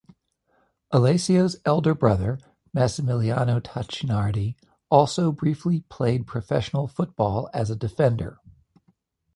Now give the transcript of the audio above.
Alessio's elder brother, Massimiliano Tacchinardi, also briefly played professional football as a defender.